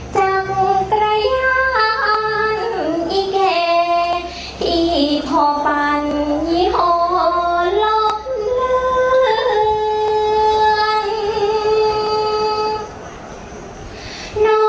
จังตระยานอีแคอีพ่อปัญห์หลบเลือน